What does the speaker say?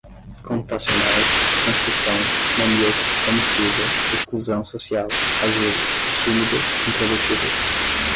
computacionais, transcrição, maníaco, homicida, exclusão social, asilos, tímidas, introvertidas